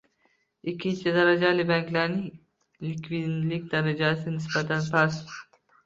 Ikkinchi darajali banklarning likvidlik darajasi nisbatan past